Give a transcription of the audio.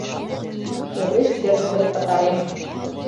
Огеш керт дыр пытарен